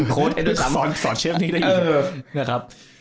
โค้ดให้ด้วยซ้ำ